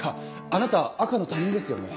あなた赤の他人ですよね。